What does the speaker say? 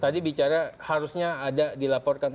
tadi bicara harusnya ada dilaporkan